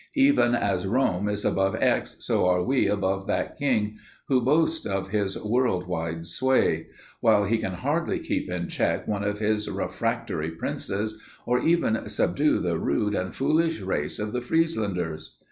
Even as Rome is above Aix, so are we above that king, who boasts of his world wide sway; while he can hardly keep in check one of his refractory princes, or even subdue the rude and foolish race of the Frieslanders.